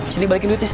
sini balikin duitnya